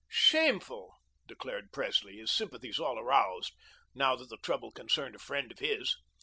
"Shameful," declared Presley, his sympathies all aroused, now that the trouble concerned a friend of his.